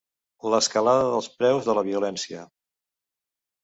L'escalada dels preus, de la violència.